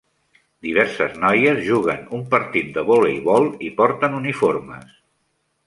Diverses noies juguen un partit de voleibol i porten uniformes.